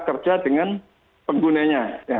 kerja dengan penggunanya